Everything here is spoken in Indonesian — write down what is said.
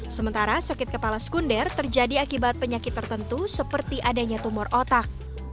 sementara sakit kepala sekunder terjadi akibat penyakit tertentu seperti adanya tumor otak